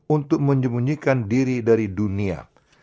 untuk menyembunyikan diri dari dunia